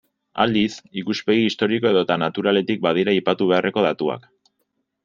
Aldiz, ikuspegi historiko edota naturaletik badira aipatu beharreko datuak.